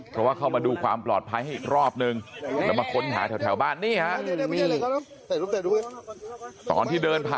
เพราะว่าเข้ามาดูความปลอดภัยให้อีกรอบนึงแล้วมาค้นหาแถวบ้านนี่ฮะ